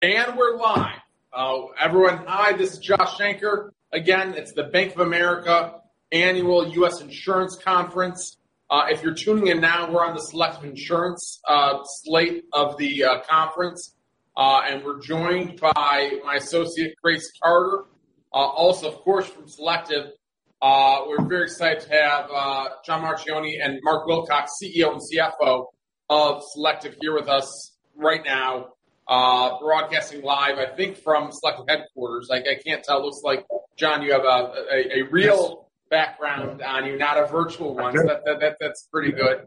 We're live. Everyone, hi. This is Josh Shanker. Again, it's the Bank of America Annual U.S. Insurance Conference. If you're tuning in now, we're on the Selective Insurance slate of the conference. We're joined by my associate, Grace Carter, also, of course, from Selective. We're very excited to have John Marchioni and Mark Wilcox, CEO and CFO of Selective, here with us right now, broadcasting live, I think from Selective headquarters. I can't tell. It looks like, John, you have a real- Yes background on you, not a virtual one. That's pretty good.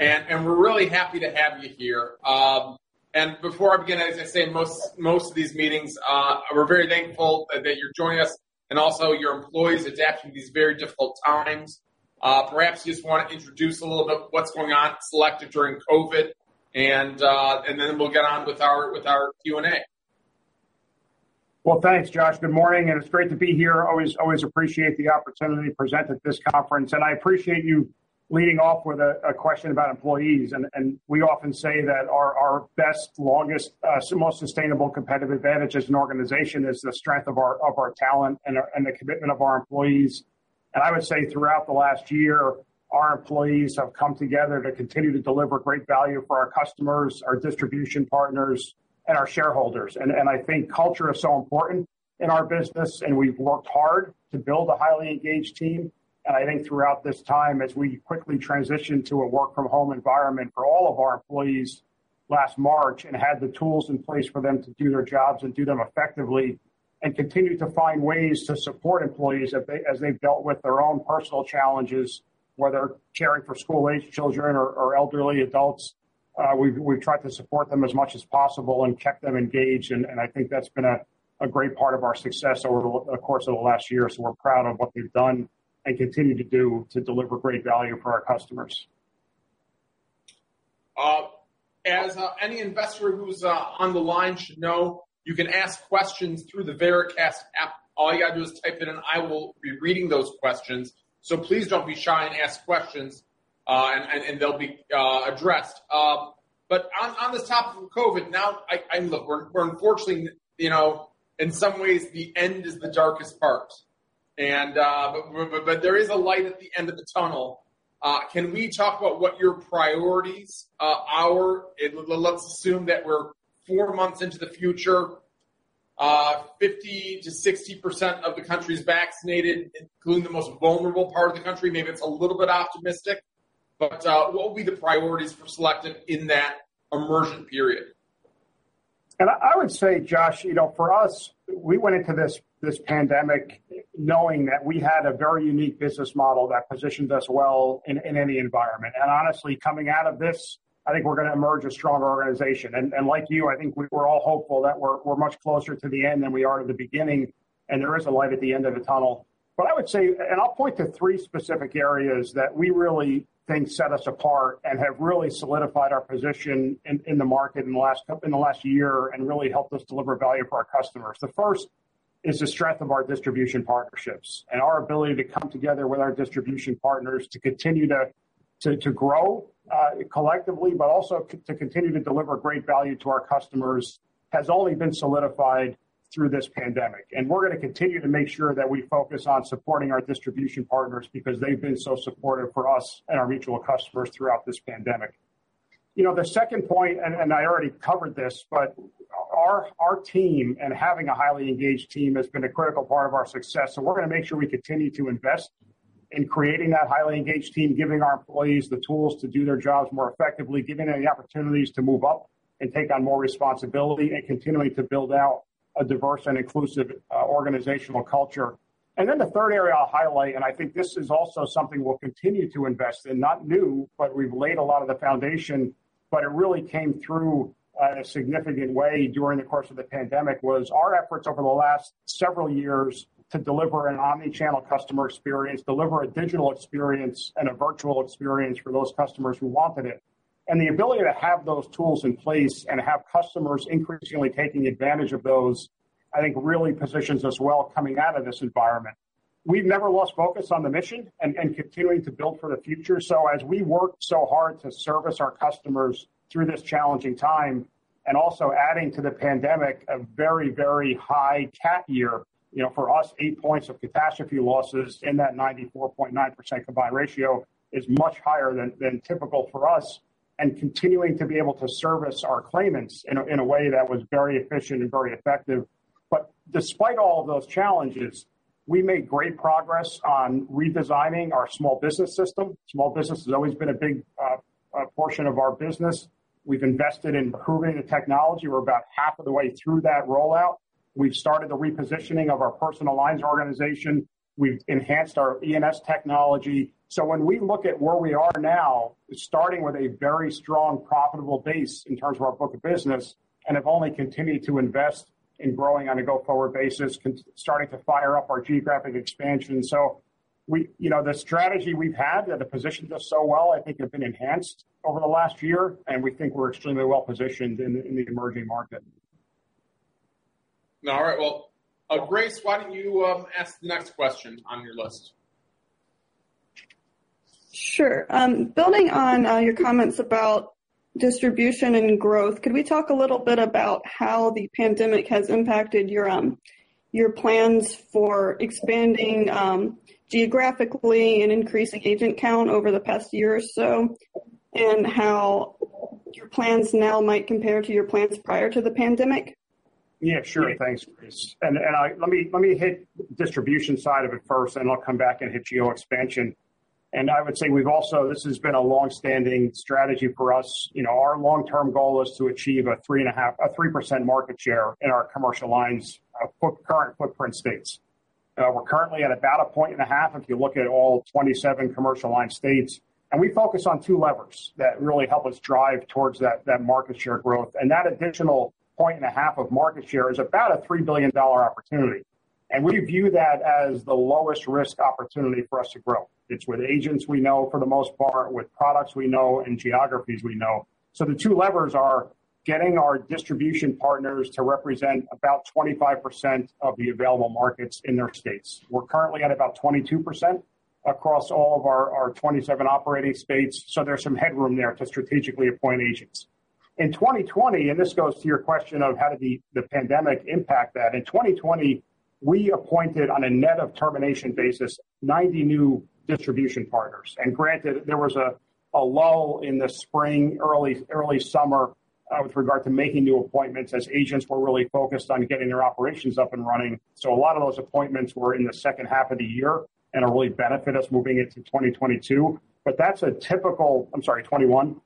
We're really happy to have you here. Before I begin, as I say in most of these meetings, we're very thankful that you're joining us and also your employees adapting to these very difficult times. Perhaps you just want to introduce a little bit what's going on at Selective during COVID, and then we'll get on with our Q&A. Well, thanks, Josh. Good morning, and it's great to be here. Always appreciate the opportunity to present at this conference. I appreciate you leading off with a question about employees. We often say that our best, longest, most sustainable competitive advantage as an organization is the strength of our talent and the commitment of our employees. I would say throughout the last year, our employees have come together to continue to deliver great value for our customers, our distribution partners, and our shareholders. I think culture is so important in our business, and we've worked hard to build a highly engaged team. I think throughout this time, as we quickly transitioned to a work-from-home environment for all of our employees last March and had the tools in place for them to do their jobs and do them effectively and continue to find ways to support employees as they've dealt with their own personal challenges, whether caring for school-age children or elderly adults. We've tried to support them as much as possible and kept them engaged, and I think that's been a great part of our success over the course of the last year. We're proud of what they've done and continue to do to deliver great value for our customers. As any investor who's on the line should know, you can ask questions through the Veracast app. All you got to do is type it in, and I will be reading those questions. Please don't be shy and ask questions, and they'll be addressed. On this topic of COVID, now look, we're unfortunately in some ways the end is the darkest part. There is a light at the end of the tunnel. Can we talk about what your priorities are? Let's assume that we're 4 months into the future, 50%-60% of the country is vaccinated, including the most vulnerable part of the country. Maybe it's a little bit optimistic, but what will be the priorities for Selective in that emergent period? I would say, Josh, for us, we went into this pandemic knowing that we had a very unique business model that positioned us well in any environment. Honestly, coming out of this, I think we're going to emerge a stronger organization. Like you, I think we're all hopeful that we're much closer to the end than we are to the beginning, and there is a light at the end of the tunnel. I would say, I'll point to three specific areas that we really think set us apart and have really solidified our position in the market in the last year and really helped us deliver value for our customers. The first is the strength of our distribution partnerships. Our ability to come together with our distribution partners to continue to grow collectively, but also to continue to deliver great value to our customers, has only been solidified through this pandemic. We're going to continue to make sure that we focus on supporting our distribution partners because they've been so supportive for us and our mutual customers throughout this pandemic. The second point, I already covered this, our team and having a highly engaged team has been a critical part of our success. We're going to make sure we continue to invest in creating that highly engaged team, giving our employees the tools to do their jobs more effectively, giving them the opportunities to move up and take on more responsibility, and continuing to build out a diverse and inclusive organizational culture. The third area I'll highlight, I think this is also something we'll continue to invest in, not new, we've laid a lot of the foundation, it really came through in a significant way during the course of the pandemic, was our efforts over the last several years to deliver an omnichannel customer experience, deliver a digital experience, and a virtual experience for those customers who wanted it. The ability to have those tools in place and have customers increasingly taking advantage of those, I think really positions us well coming out of this environment. We've never lost focus on the mission and continuing to build for the future. As we work so hard to service our customers through this challenging time, also adding to the pandemic, a very, very high cat year. For us, 8 points of catastrophe losses in that 94.9% combined ratio is much higher than typical for us, and continuing to be able to service our claimants in a way that was very efficient and very effective. Despite all of those challenges, we made great progress on redesigning our small business system. Small business has always been a big portion of our business. We've invested in improving the technology. We're about half of the way through that rollout. We've started the repositioning of our personal lines organization. We've enhanced our E&S technology. When we look at where we are now, starting with a very strong, profitable base in terms of our book of business, and have only continued to invest in growing on a go-forward basis, starting to fire up our geographic expansion. The strategy we've had that have positioned us so well, I think have been enhanced over the last year, and we think we're extremely well-positioned in the emerging market. All right. Well, Grace, why don't you ask the next question on your list? Sure. Building on your comments about distribution and growth, could we talk a little bit about how the pandemic has impacted your plans for expanding geographically and increasing agent count over the past year or so, and how your plans now might compare to your plans prior to the pandemic? Yeah, sure. Thanks, Grace. Let me hit the distribution side of it first. I'll come back and hit geo expansion. I would say this has been a longstanding strategy for us. Our long-term goal is to achieve a 3% market share in our commercial lines, current footprint states. We're currently at about a point and a half if you look at all 27 commercial line states. We focus on two levers that really help us drive towards that market share growth. That additional point and a half of market share is about a $3 billion opportunity. We view that as the lowest risk opportunity for us to grow. It's with agents we know for the most part, with products we know and geographies we know. The two levers are getting our distribution partners to represent about 25% of the available markets in their states. We're currently at about 22% across all of our 27 operating states. There's some headroom there to strategically appoint agents. In 2020, this goes to your question of how did the pandemic impact that, in 2020, we appointed on a net of termination basis, 90 new distribution partners. Granted, there was a lull in the spring, early summer, with regard to making new appointments as agents were really focused on getting their operations up and running. A lot of those appointments were in the second half of the year and will really benefit us moving into 2022. That's a typical, I'm sorry, 2021.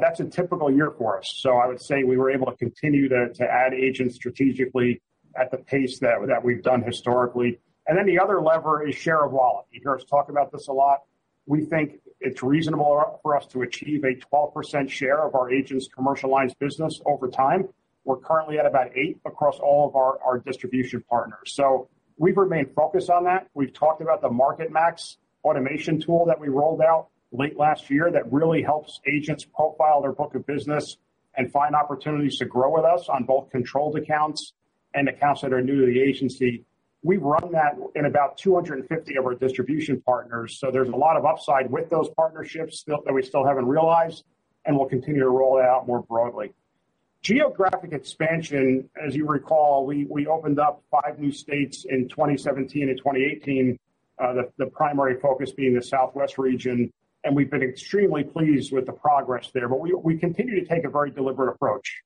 That's a typical year for us. I would say we were able to continue to add agents strategically at the pace that we've done historically. The other lever is share of wallet. You hear us talk about this a lot. We think it's reasonable for us to achieve a 12% share of our agents' commercial lines business over time. We're currently at about 8% across all of our distribution partners. We've remained focused on that. We've talked about the MarketMax automation tool that we rolled out late last year that really helps agents profile their book of business and find opportunities to grow with us on both controlled accounts and accounts that are new to the agency. We run that in about 250 of our distribution partners. There's a lot of upside with those partnerships that we still haven't realized. We'll continue to roll it out more broadly. Geographic expansion, as you recall, we opened up five new states in 2017 and 2018, the primary focus being the Southwest region. We've been extremely pleased with the progress there. We continue to take a very deliberate approach.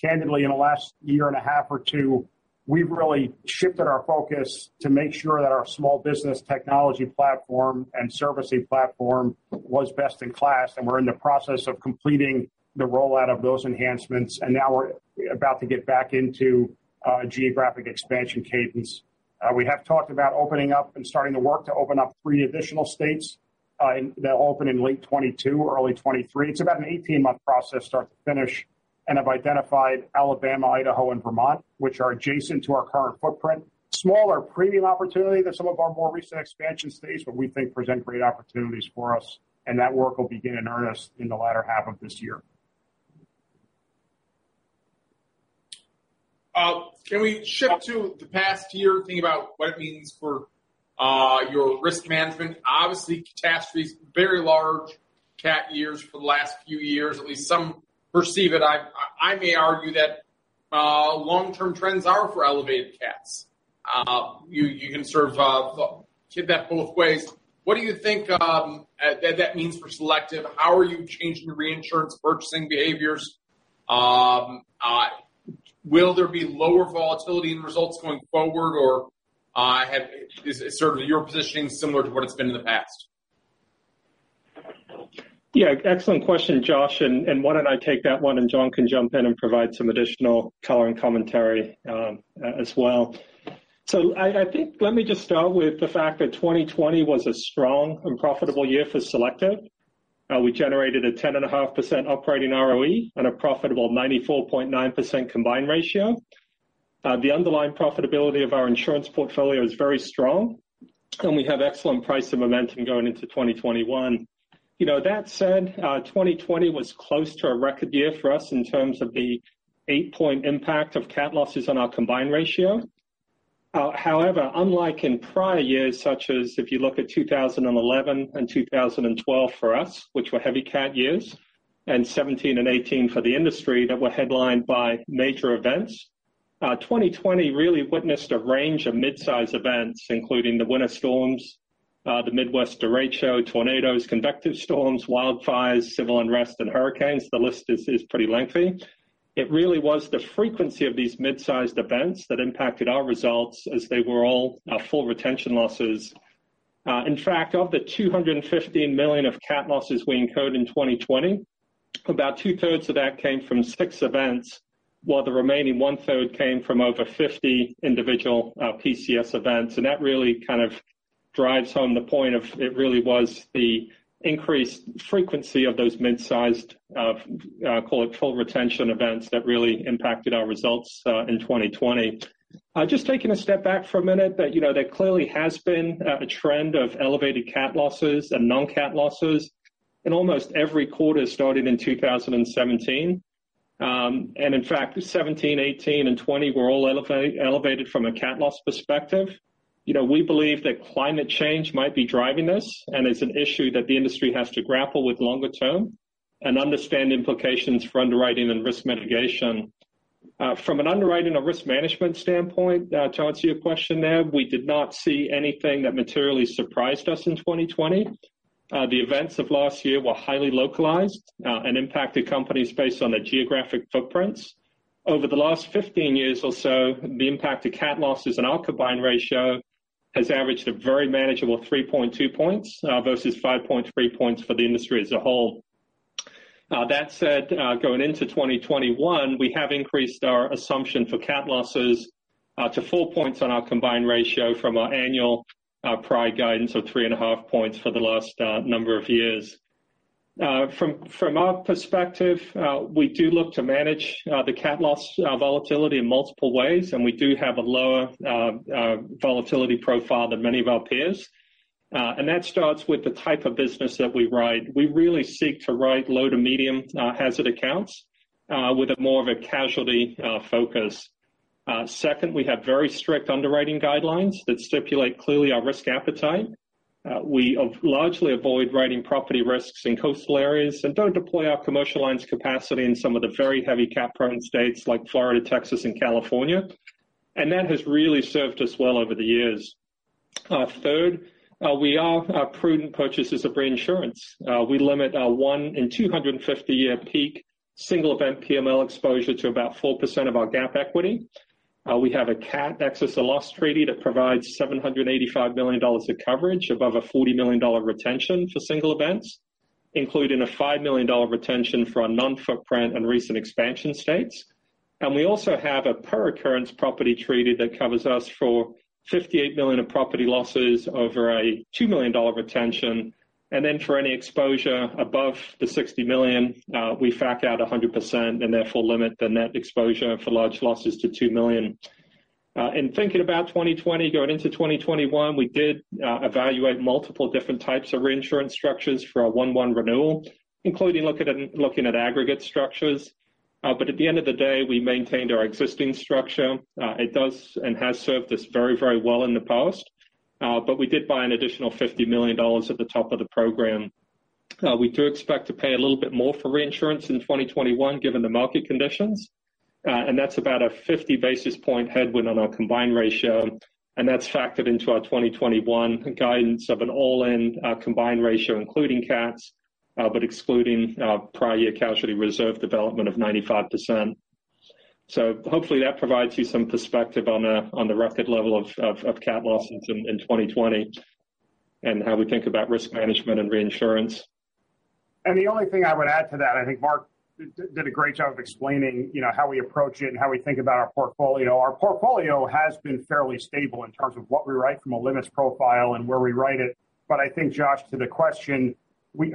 Candidly, in the last year and a half or two, we've really shifted our focus to make sure that our small business technology platform and servicing platform was best in class. We're in the process of completing the rollout of those enhancements. Now we're about to get back into a geographic expansion cadence. We have talked about opening up and starting the work to open up three additional states. They'll open in late 2022 or early 2023. It's about an 18-month process start to finish. We have identified Alabama, Idaho, and Vermont, which are adjacent to our current footprint. Smaller premium opportunity than some of our more recent expansion states, but we think present great opportunities for us, and that work will begin in earnest in the latter half of this year. Can we shift to the past year, thinking about what it means for your risk management? Obviously, catastrophes, very large cat years for the last few years, at least some perceive it. I may argue that long-term trends are for elevated cats. You can sort of tip that both ways. What do you think that means for Selective? How are you changing your reinsurance purchasing behaviors? Will there be lower volatility in results going forward, or is your positioning similar to what it's been in the past? Excellent question, Josh, and why don't I take that one, and John can jump in and provide some additional color and commentary as well. I think, let me just start with the fact that 2020 was a strong and profitable year for Selective. We generated a 10.5% operating ROE on a profitable 94.9% combined ratio. The underlying profitability of our insurance portfolio is very strong, and we have excellent price and momentum going into 2021. That said, 2020 was close to a record year for us in terms of the eight-point impact of cat losses on our combined ratio. Unlike in prior years, such as if you look at 2011 and 2012 for us, which were heavy cat years, and 2017 and 2018 for the industry that were headlined by major events, 2020 really witnessed a range of mid-size events, including the winter storms, the Midwest derecho, tornadoes, convective storms, wildfires, civil unrest, and hurricanes. The list is pretty lengthy. It really was the frequency of these mid-sized events that impacted our results as they were all full retention losses. In fact, of the $250 million of cat losses we incurred in 2020, about two-thirds of that came from six events, while the remaining one-third came from over 50 individual PCS events. That really kind of drives home the point of it really was the increased frequency of those mid-sized, call it full retention events that really impacted our results in 2020. Just taking a step back for a minute, there clearly has been a trend of elevated cat losses and non-cat losses in almost every quarter starting in 2017. In fact, 2017, 2018, and 2020 were all elevated from a cat loss perspective. We believe that climate change might be driving this, and it's an issue that the industry has to grapple with longer term and understand implications for underwriting and risk mitigation. From an underwriting and risk management standpoint, to answer your question, Josh, we did not see anything that materially surprised us in 2020. The events of last year were highly localized and impacted companies based on their geographic footprints. Over the last 15 years or so, the impact of cat losses on our combined ratio has averaged a very manageable 3.2 points, versus 5.3 points for the industry as a whole. That said, going into 2021, we have increased our assumption for cat losses to four points on our combined ratio from our annual prior guidance of three and a half points for the last number of years. From our perspective, we do look to manage the cat loss volatility in multiple ways, and we do have a lower volatility profile than many of our peers. That starts with the type of business that we write. We really seek to write low to medium hazard accounts, with more of a casualty focus. Second, we have very strict underwriting guidelines that stipulate clearly our risk appetite. We largely avoid writing property risks in coastal areas and don't deploy our commercial lines capacity in some of the very heavy cat-prone states like Florida, Texas, and California. That has really served us well over the years. Third, we are prudent purchasers of reinsurance. We limit our one in 250-year peak single event PML exposure to about 4% of our GAAP equity. We have a cat excess of loss treaty that provides $785 million of coverage above a $40 million retention for single events, including a $5 million retention for our non-footprint and recent expansion states. We also have a per occurrence property treaty that covers us for $58 million of property losses over a $2 million retention. Then for any exposure above the $60 million, we factor out 100% and therefore limit the net exposure for large losses to $2 million. In thinking about 2020 going into 2021, we did evaluate multiple different types of reinsurance structures for our 1-1 renewal, including looking at aggregate structures. At the end of the day, we maintained our existing structure. It does and has served us very well in the past. We did buy an additional $50 million at the top of the program. We do expect to pay a little bit more for reinsurance in 2021 given the market conditions. That's about a 50 basis point headwind on our combined ratio, and that's factored into our 2021 guidance of an all-in combined ratio, including cats, but excluding prior year casualty reserve development of 95%. Hopefully that provides you some perspective on the record level of cat losses in 2020, and how we think about risk management and reinsurance. The only thing I would add to that, I think Mark did a great job of explaining how we approach it and how we think about our portfolio. Our portfolio has been fairly stable in terms of what we write from a limits profile and where we write it. I think, Josh, to the question,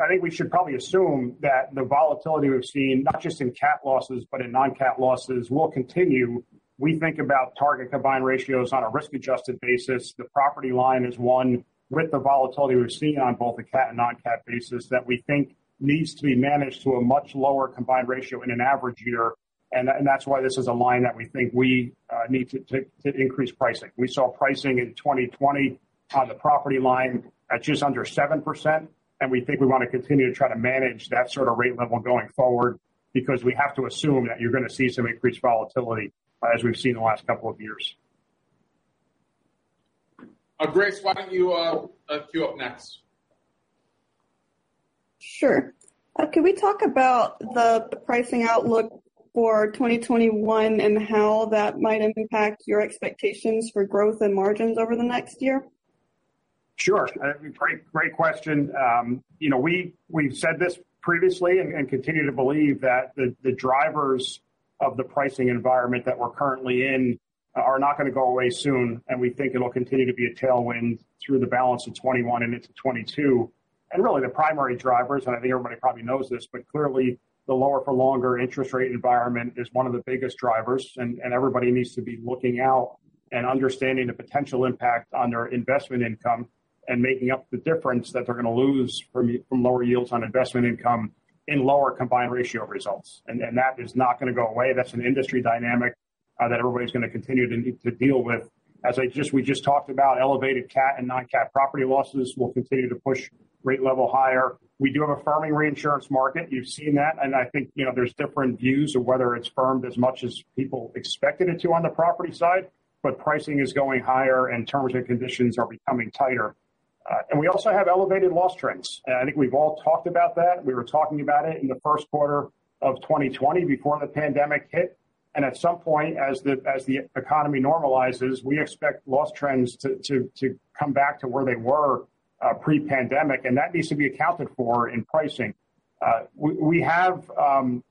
I think we should probably assume that the volatility we've seen, not just in cat losses, but in non-cat losses, will continue. We think about target combined ratios on a risk-adjusted basis. The property line is one with the volatility we've seen on both a cat and non-cat basis that we think needs to be managed to a much lower combined ratio in an average year. That's why this is a line that we think we need to increase pricing. We saw pricing in 2020 on the property line at just under 7%, and we think we want to continue to try to manage that sort of rate level going forward because we have to assume that you're going to see some increased volatility as we've seen in the last couple of years. Grace, why don't you queue up next? Sure. Can we talk about the pricing outlook for 2021 and how that might impact your expectations for growth and margins over the next year? Sure. Great question. We've said this previously and continue to believe that the drivers of the pricing environment that we're currently in are not going to go away soon, and we think it'll continue to be a tailwind through the balance of 2021 and into 2022. Really the primary drivers, and I think everybody probably knows this, but clearly the lower for longer interest rate environment is one of the biggest drivers, and everybody needs to be looking out and understanding the potential impact on their investment income and making up the difference that they're going to lose from lower yields on investment income in lower combined ratio results. That is not going to go away. That's an industry dynamic that everybody's going to continue to deal with. As we just talked about, elevated cat and non-cat property losses will continue to push rate level higher. We do have a firming reinsurance market. You've seen that, and I think there's different views of whether it's firmed as much as people expected it to on the property side, but pricing is going higher and terms and conditions are becoming tighter. We also have elevated loss trends. I think we've all talked about that. We were talking about it in the first quarter of 2020 before the pandemic hit. At some point, as the economy normalizes, we expect loss trends to come back to where they were pre-pandemic, and that needs to be accounted for in pricing. We have,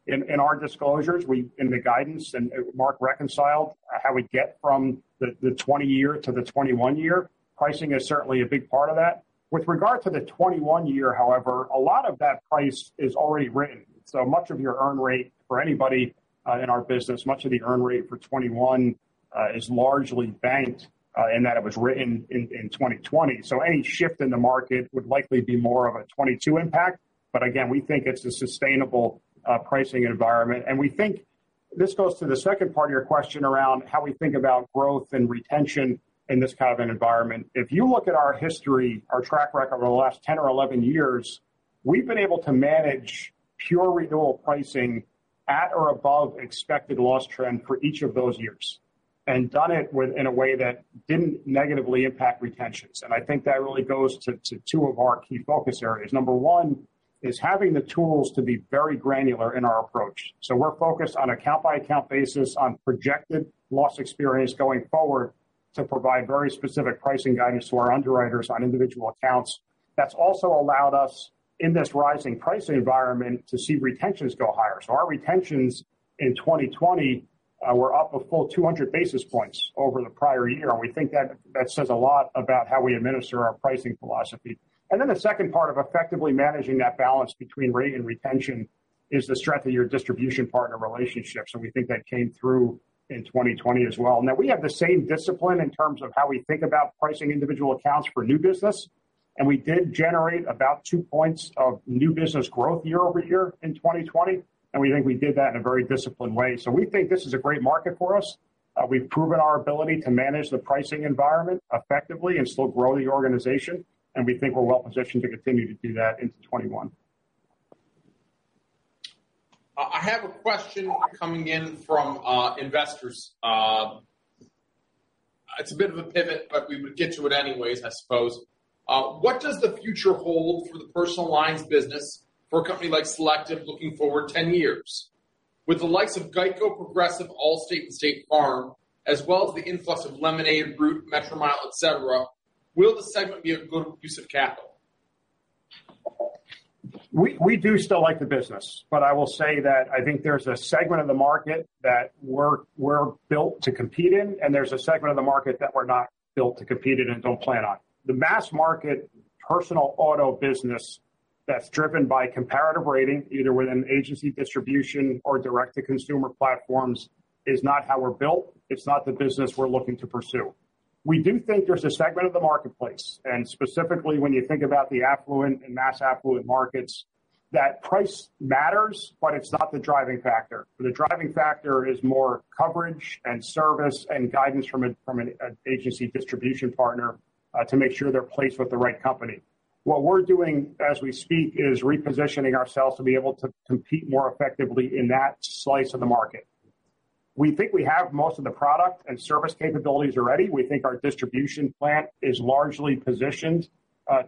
in our disclosures, in the guidance, and Mark reconciled how we get from the 2020 year to the 2021 year. Pricing is certainly a big part of that. With regard to the 2021 year, however, a lot of that price is already written. Much of your earn rate for anybody in our business, much of the earn rate for 2021, is largely banked in that it was written in 2020. Any shift in the market would likely be more of a 2022 impact. Again, we think it's a sustainable pricing environment, and we think this goes to the second part of your question around how we think about growth and retention in this kind of an environment. If you look at our history, our track record over the last 10 or 11 years, we've been able to manage pure renewal pricing at or above expected loss trend for each of those years, and done it in a way that didn't negatively impact retentions. I think that really goes to two of our key focus areas. Number one is having the tools to be very granular in our approach. We're focused on account-by-account basis on projected loss experience going forward to provide very specific pricing guidance to our underwriters on individual accounts. That's also allowed us, in this rising price environment, to see retentions go higher. Our retentions in 2020 were up a full 200 basis points over the prior year, and we think that says a lot about how we administer our pricing philosophy. Then the second part of effectively managing that balance between rate and retention is the strength of your distribution partner relationships, and we think that came through in 2020 as well. We have the same discipline in terms of how we think about pricing individual accounts for new business, and we did generate about two points of new business growth year-over-year in 2020, and we think we did that in a very disciplined way. We think this is a great market for us. We've proven our ability to manage the pricing environment effectively and still grow the organization, and we think we're well positioned to continue to do that into 2021. I have a question coming in from investors. It's a bit of a pivot. We would get to it anyways, I suppose. What does the future hold for the personal lines business for a company like Selective looking forward 10 years? With the likes of GEICO, Progressive, Allstate, and State Farm, as well as the influx of Lemonade, Root, Metromile, et cetera, will the segment be a good use of capital? We do still like the business. I will say that I think there's a segment of the market that we're built to compete in, and there's a segment of the market that we're not built to compete in and don't plan on. The mass market personal auto business that's driven by comparative rating, either with an agency distribution or direct-to-consumer platforms, is not how we're built. It's not the business we're looking to pursue. We do think there's a segment of the marketplace, and specifically when you think about the affluent and mass affluent markets, that price matters, but it's not the driving factor. The driving factor is more coverage and service and guidance from an agency distribution partner, to make sure they're placed with the right company. What we're doing as we speak is repositioning ourselves to be able to compete more effectively in that slice of the market. We think we have most of the product and service capabilities already. We think our distribution plant is largely positioned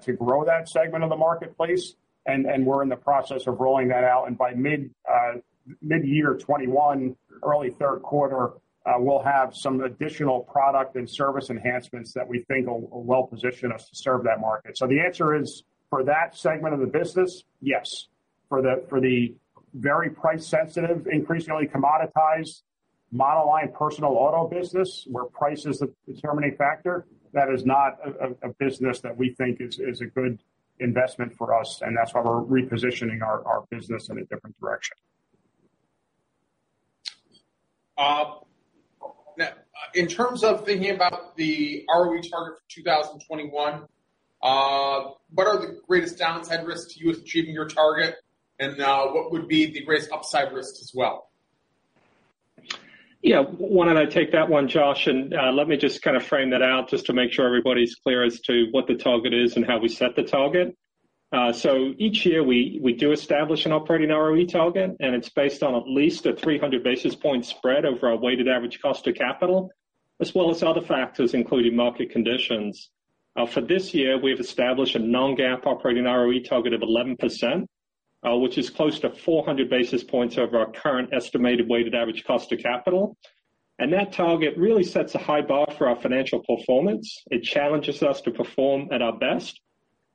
to grow that segment of the marketplace, and we're in the process of rolling that out. By mid-year 2021, early third quarter, we'll have some additional product and service enhancements that we think will well position us to serve that market. The answer is, for that segment of the business, yes. For the very price sensitive, increasingly commoditized mono-line personal auto business, where price is the determining factor, that is not a business that we think is a good investment for us, and that's why we're repositioning our business in a different direction. In terms of thinking about the ROE target for 2021, what are the greatest downside risks to you with achieving your target, and what would be the greatest upside risks as well? Why don't I take that one, Josh, let me just kind of frame that out just to make sure everybody's clear as to what the target is and how we set the target. Each year, we do establish an operating ROE target, it's based on at least a 300 basis point spread over our weighted average cost of capital, as well as other factors, including market conditions. For this year, we've established a non-GAAP operating ROE target of 11%, which is close to 400 basis points over our current estimated weighted average cost of capital. That target really sets a high bar for our financial performance. It challenges us to perform at our best,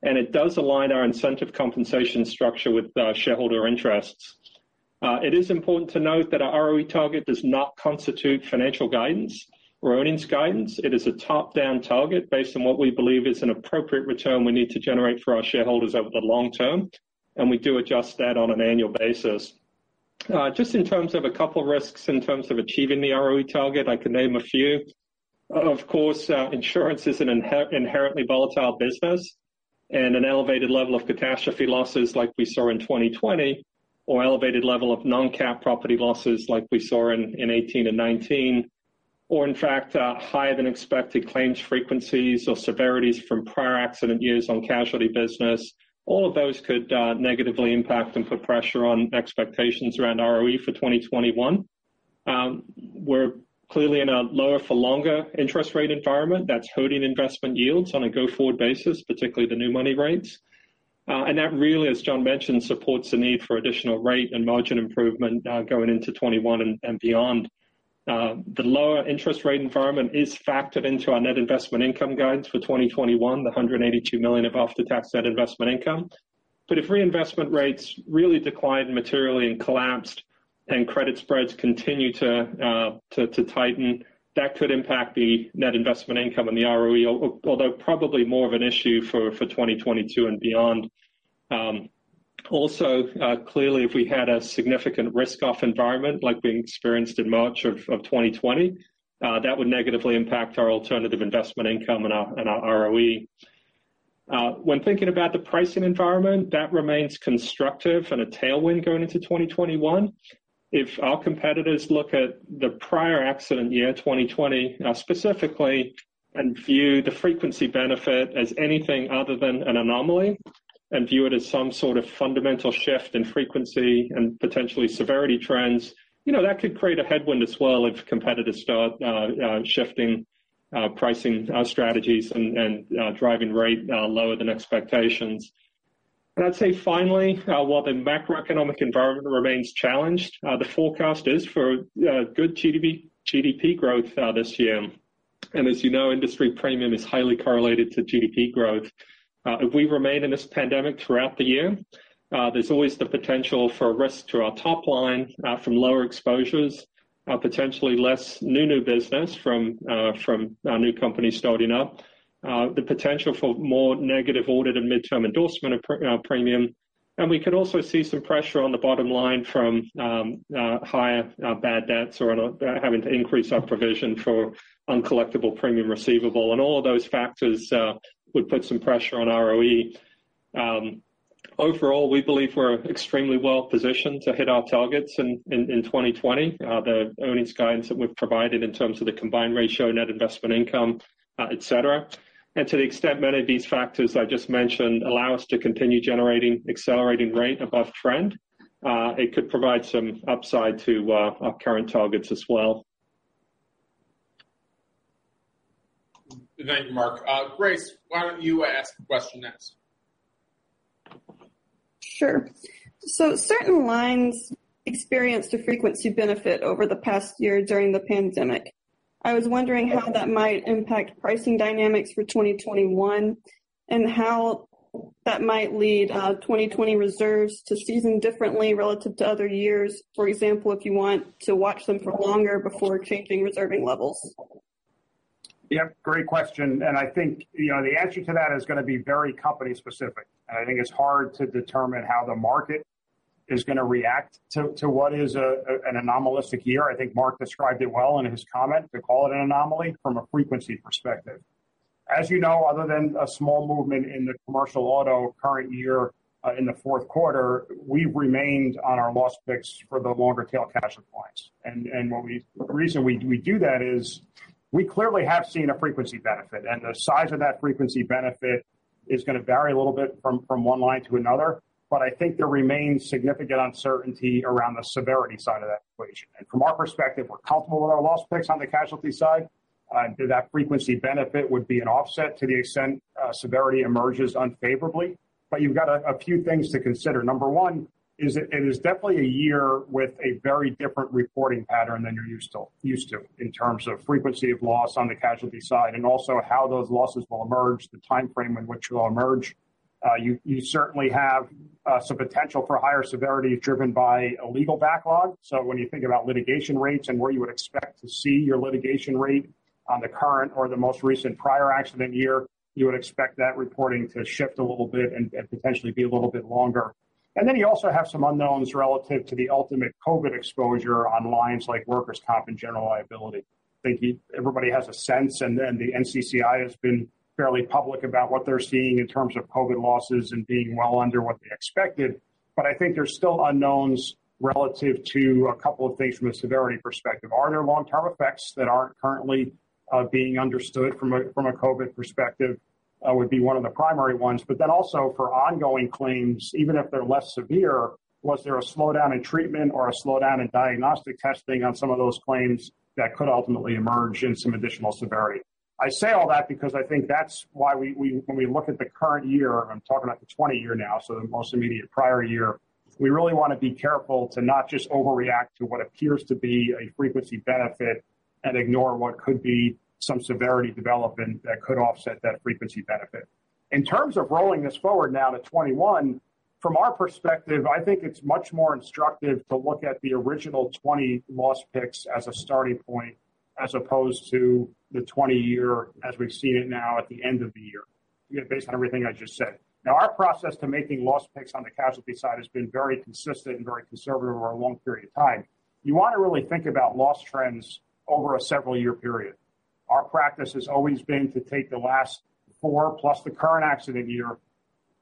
it does align our incentive compensation structure with shareholder interests. It is important to note that our ROE target does not constitute financial guidance or earnings guidance. It is a top-down target based on what we believe is an appropriate return we need to generate for our shareholders over the long term, we do adjust that on an annual basis. Just in terms of a couple of risks in terms of achieving the ROE target, I could name a few. Of course, insurance is an inherently volatile business, an elevated level of catastrophe losses like we saw in 2020, or elevated level of non-cat property losses like we saw in 2018 and 2019, or in fact, higher than expected claims frequencies or severities from prior accident years on casualty business. All of those could negatively impact and put pressure on expectations around ROE for 2021. We're clearly in a lower for longer interest rate environment that's holding investment yields on a go-forward basis, particularly the new money rates. That really, as John mentioned, supports the need for additional rate and margin improvement going into 2021 and beyond. The lower interest rate environment is factored into our net investment income guidance for 2021, the $182 million of after-tax net investment income. If reinvestment rates really declined materially and collapsed and credit spreads continue to tighten, that could impact the net investment income and the ROE, although probably more of an issue for 2022 and beyond. Clearly, if we had a significant risk-off environment like being experienced in March of 2020, that would negatively impact our alternative investment income and our ROE. When thinking about the pricing environment, that remains constructive and a tailwind going into 2021. If our competitors look at the prior accident year, 2020 specifically, and view the frequency benefit as anything other than an anomaly, and view it as some sort of fundamental shift in frequency and potentially severity trends, that could create a headwind as well if competitors start shifting pricing strategies and driving rate lower than expectations. I'd say finally, while the macroeconomic environment remains challenged, the forecast is for good GDP growth this year. As you know, industry premium is highly correlated to GDP growth. If we remain in this pandemic throughout the year, there's always the potential for a risk to our top line from lower exposures, potentially less new-new business from new companies starting up. The potential for more negative audit and midterm endorsement premium. We could also see some pressure on the bottom line from higher bad debts or having to increase our provision for uncollectible premium receivable. All of those factors would put some pressure on ROE. Overall, we believe we're extremely well positioned to hit our targets in 2020. The earnings guidance that we've provided in terms of the combined ratio, net investment income, et cetera. To the extent many of these factors I just mentioned allow us to continue generating accelerating rate above trend, it could provide some upside to our current targets as well. Thank you, Mark. Grace, why don't you ask a question next? Sure. Certain lines experienced a frequency benefit over the past year during the pandemic. I was wondering how that might impact pricing dynamics for 2021, and how that might lead 2020 reserves to season differently relative to other years. For example, if you want to watch them for longer before changing reserving levels. Yeah, great question. I think the answer to that is going to be very company specific. I think it's hard to determine how the market is going to react to what is an anomalistic year. I think Mark described it well in his comment to call it an anomaly from a frequency perspective. As you know, other than a small movement in the commercial auto current year in the fourth quarter, we've remained on our loss picks for the longer tail casualty lines. The reason we do that is we clearly have seen a frequency benefit, and the size of that frequency benefit is going to vary a little bit from one line to another. I think there remains significant uncertainty around the severity side of that equation. From our perspective, we're comfortable with our loss picks on the casualty side. To that frequency benefit would be an offset to the extent severity emerges unfavorably. You've got a few things to consider. Number one is it is definitely a year with a very different reporting pattern than you're used to in terms of frequency of loss on the casualty side, and also how those losses will emerge, the time frame in which they will emerge. You certainly have some potential for higher severity driven by a legal backlog. When you think about litigation rates and where you would expect to see your litigation rate on the current or the most recent prior accident year, you would expect that reporting to shift a little bit and potentially be a little bit longer. You also have some unknowns relative to the ultimate COVID exposure on lines like workers' comp and general liability. I think everybody has a sense. The NCCI has been fairly public about what they're seeing in terms of COVID losses and being well under what they expected. I think there's still unknowns relative to a couple of things from a severity perspective. Are there long-term effects that aren't currently being understood from a COVID perspective would be one of the primary ones. Also for ongoing claims, even if they're less severe, was there a slowdown in treatment or a slowdown in diagnostic testing on some of those claims that could ultimately emerge in some additional severity? I say all that because I think that's why when we look at the current year, I'm talking about the 2020 year now, so the most immediate prior year, we really want to be careful to not just overreact to what appears to be a frequency benefit and ignore what could be some severity development that could offset that frequency benefit. In terms of rolling this forward now to 2021, from our perspective, I think it's much more instructive to look at the original 2020 loss picks as a starting point, as opposed to the 2020 year as we've seen it now at the end of the year, based on everything I just said. Our process to making loss picks on the casualty side has been very consistent and very conservative over a long period of time. You want to really think about loss trends over a several year period. Our practice has always been to take the last four plus the current accident year,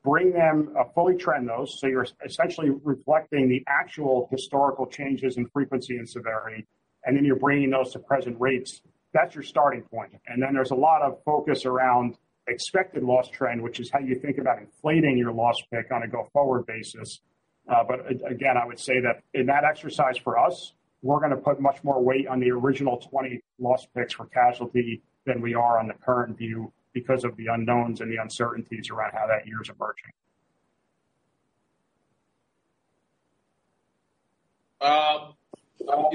fully trend those, so you're essentially reflecting the actual historical changes in frequency and severity, and then you're bringing those to present rates. That's your starting point. There's a lot of focus around expected loss trend, which is how you think about inflating your loss pick on a go-forward basis. Again, I would say that in that exercise for us, we're going to put much more weight on the original 2020 loss picks for casualty than we are on the current view because of the unknowns and the uncertainties around how that year is emerging.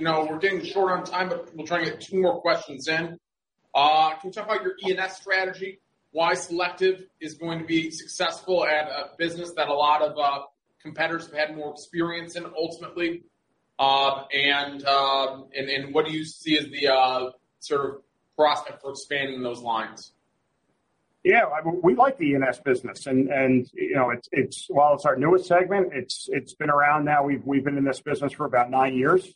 We're getting short on time, we'll try and get two more questions in. Can you talk about your E&S strategy, why Selective is going to be successful at a business that a lot of competitors have had more experience in ultimately? What do you see as the sort of prospect for expanding those lines? Yeah. We like the E&S business, while it's our newest segment, it's been around now, we've been in this business for about nine years.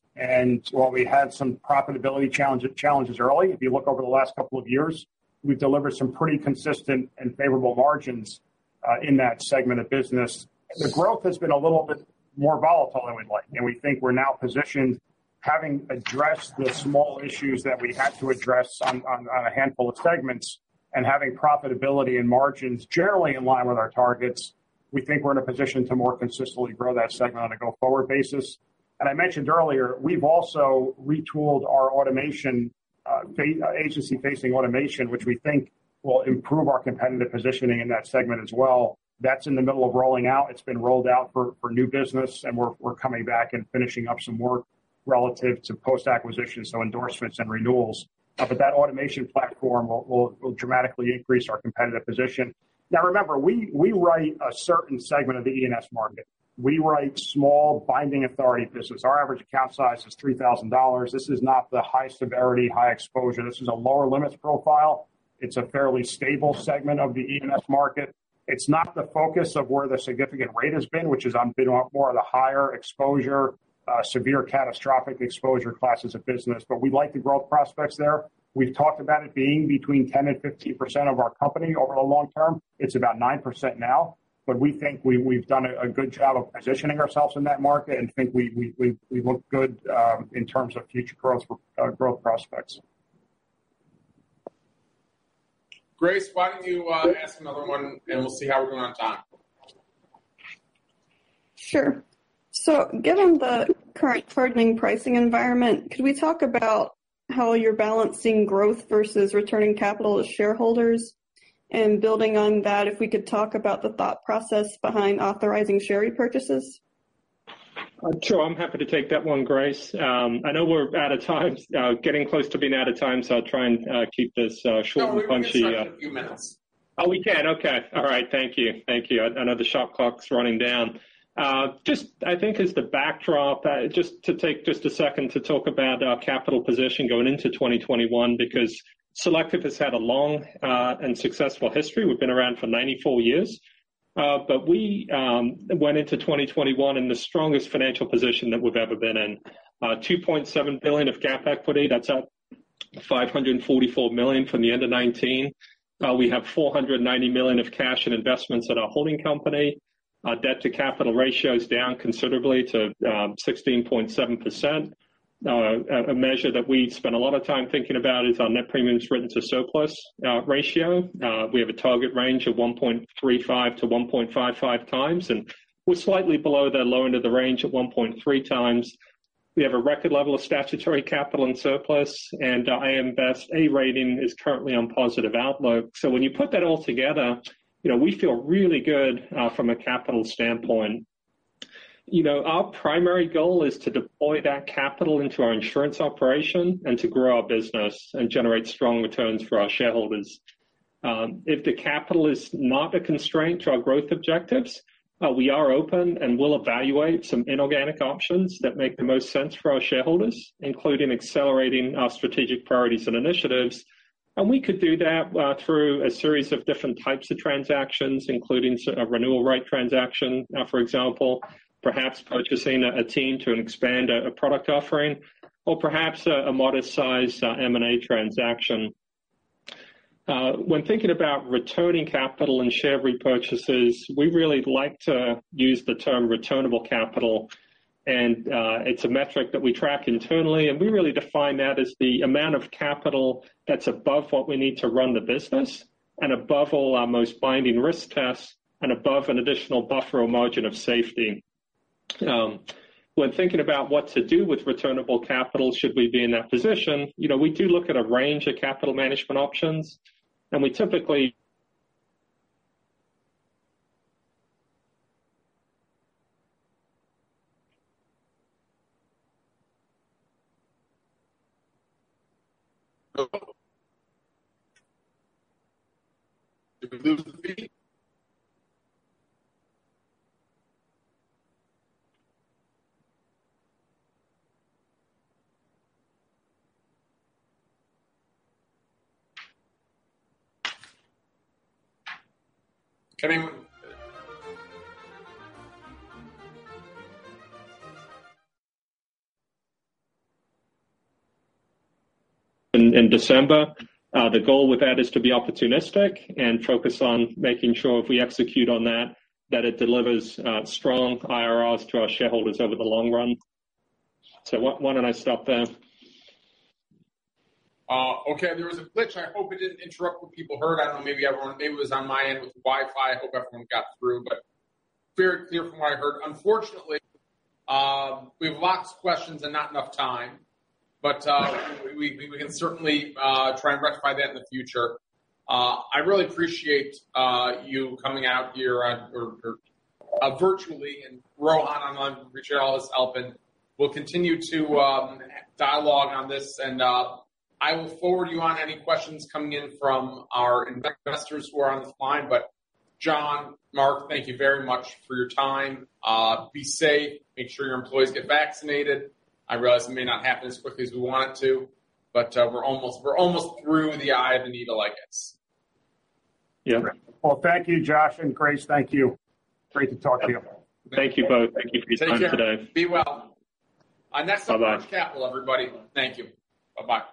While we had some profitability challenges early, if you look over the last couple of years, we've delivered some pretty consistent and favorable margins In that segment of business, the growth has been a little bit more volatile than we'd like, we think we're now positioned, having addressed the small issues that we had to address on a handful of segments and having profitability and margins generally in line with our targets, we think we're in a position to more consistently grow that segment on a go-forward basis. I mentioned earlier, we've also retooled our agency-facing automation, which we think will improve our competitive positioning in that segment as well. That's in the middle of rolling out. It's been rolled out for new business, we're coming back and finishing up some work relative to post-acquisition, so endorsements and renewals. That automation platform will dramatically increase our competitive position. Now remember, we write a certain segment of the E&S market. We write small binding authority business. Our average account size is $3,000. This is not the high severity, high exposure. This is a lower limits profile. It's a fairly stable segment of the E&S market. It's not the focus of where the significant rate has been, which has been more of the higher exposure, severe catastrophic exposure classes of business. We like the growth prospects there. We've talked about it being between 10% and 15% of our company over the long term. It's about 9% now. We think we've done a good job of positioning ourselves in that market and think we look good in terms of future growth prospects. Grace, why don't you ask another one, and we'll see how we're doing on time? Sure. Given the current hardening pricing environment, could we talk about how you're balancing growth versus returning capital to shareholders? Building on that, if we could talk about the thought process behind authorizing share repurchases. Sure. I'm happy to take that one, Grace. I know we're out of time, getting close to being out of time, so I'll try and keep this short and punchy. No, we can stay a few minutes. Oh, we can? Okay. All right. Thank you. I know the shop clock's running down. I think as the backdrop, just to take just a second to talk about our capital position going into 2021 because Selective has had a long and successful history. We've been around for 94 years. We went into 2021 in the strongest financial position that we've ever been in. $2.7 billion of GAAP equity, that's up $544 million from the end of 2019. We have $490 million of cash and investments at our holding company. Our debt to capital ratio is down considerably to 16.7%. A measure that we spend a lot of time thinking about is our net premiums written to surplus ratio. We have a target range of 1.35 to 1.55 times, and we're slightly below the low end of the range at 1.3 times. We have a record level of statutory capital and surplus, and our AM Best A rating is currently on positive outlook. When you put that all together, we feel really good from a capital standpoint. Our primary goal is to deploy that capital into our insurance operation and to grow our business and generate strong returns for our shareholders. If the capital is not a constraint to our growth objectives, we are open and will evaluate some inorganic options that make the most sense for our shareholders, including accelerating our strategic priorities and initiatives. We could do that through a series of different types of transactions, including a renewal rights transaction, for example, perhaps purchasing a team to expand a product offering or perhaps a modest size M&A transaction. When thinking about returning capital and share repurchases, we really like to use the term returnable capital. It's a metric that we track internally, and we really define that as the amount of capital that's above what we need to run the business and above all our most binding risk tests and above an additional buffer or margin of safety. When thinking about what to do with returnable capital, should we be in that position, we do look at a range of capital management options, and we typically Hello? Did we lose Mark? The goal with that is to be opportunistic and focus on making sure if we execute on that it delivers strong IRRs to our shareholders over the long run. Why don't I stop there? Okay. There was a glitch. I hope it didn't interrupt what people heard. I don't know, maybe it was on my end with the Wi-Fi. I hope everyone got through, but very clear from what I heard. Unfortunately, we have lots of questions and not enough time. We can certainly try and rectify that in the future. I really appreciate you coming out here virtually. Rohan, I know Richard always help and will continue to dialogue on this. I will forward you on any questions coming in from our investors who are on this line. John, Mark, thank you very much for your time. Be safe. Make sure your employees get vaccinated. I realize it may not happen as quickly as we want it to, but we're almost through the eye of the needle, I guess. Yeah. Well, thank you, Josh and Grace. Thank you. Great to talk to you. Thank you both. Thank you for your time today. Take care. Be well. Bye-bye. That's so much, everybody. Thank you. Bye-bye